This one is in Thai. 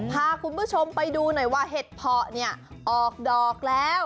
พาคุณผู้ชมไปดูหน่อยว่าเห็ดเพาะเนี่ยออกดอกแล้ว